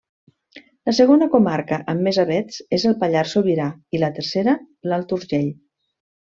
La segona comarca amb més avets és el Pallars Sobirà i la tercera, l'Alt Urgell.